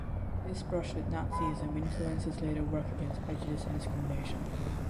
This brush with Nazism influenced his later work against prejudice and discrimination.